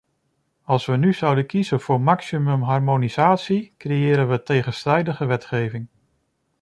Als we nu zouden kiezen voor maximumharmonisatie, creëren we tegenstrijdige wetgeving.